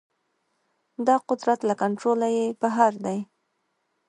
دا قدرت له کنټروله يې بهر دی.